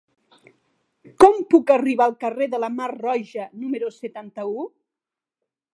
Com puc arribar al carrer de la Mar Roja número setanta-u?